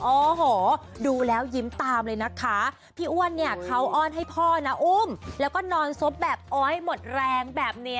โอ้โหดูแล้วยิ้มตามเลยนะคะพี่อ้วนเนี่ยเขาอ้อนให้พ่อนะอุ้มแล้วก็นอนซบแบบอ้อยหมดแรงแบบนี้